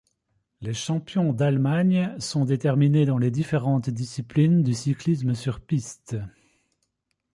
Les champions d'Allemagne sont déterminées dans les différentes disciplines du cyclisme sur piste.